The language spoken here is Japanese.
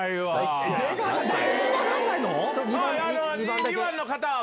２番の方は。